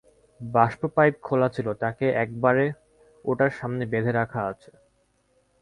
বাষ্প পাইপ খোলা ছিল, তাকে একেবারে ওটার সামনে বেঁধে রাখা আছে।